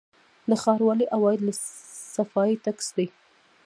د ښاروالۍ عواید له صفايي ټکس دي